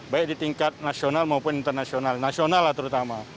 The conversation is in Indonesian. baik di tingkat nasional maupun internasional nasional terutama